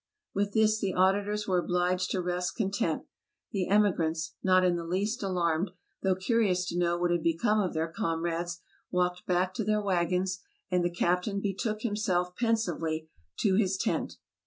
" With this the auditors were obliged to rest content; the emigrants, not in the least alarmed, though curious to know what had become of their comrades, walked back to their wagons, and the captain betook himself pensively to his tent.